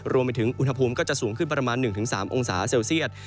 รวมไปถึงอุณหภูมิก็จะสูงขึ้นประมาณ๑๓องศาเซลเซียต